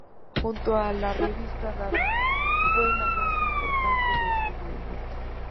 Junto a la revista Dada, fue la más importante de este movimiento.